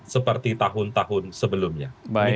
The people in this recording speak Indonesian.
seperti tahun tahun sebelumnya